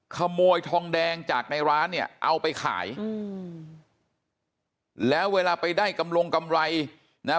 ขโมยทองแดงจากในร้านเนี่ยเอาไปขายอืมแล้วเวลาไปได้กำรงกำไรนะฮะ